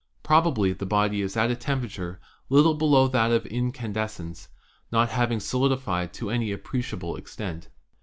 Probably the body is at a temper ature little below that of incandescence, not having solid ified to any appreciable extent.